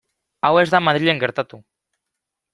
Hau ez da Madrilen gertatu.